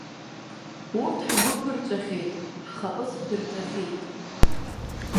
Урҭ ҳгәы ԥырҵәахьеит, ҳхаԥыц дырҿахьеит,.